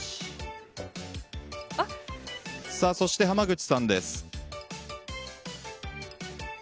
そして、濱口さんです。